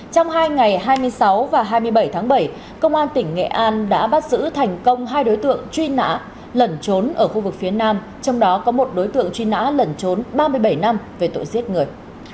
trong hai ngày hai mươi sáu và hai mươi bảy tháng bảy công an tỉnh nghệ an đã bắt giữ thành công hai đối tượng truy nã lẩn trốn ở khu vực phía nam trong đó có một đối tượng truy nã lẩn trốn ba mươi bảy năm về tội giết người